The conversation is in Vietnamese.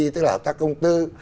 tức là hợp tác công tư